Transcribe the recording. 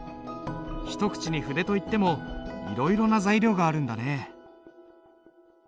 一口に筆といってもいろいろな材料があるんだね。